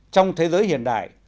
trong thế giới hiện đại